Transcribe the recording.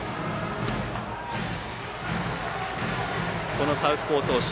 このサウスポー投手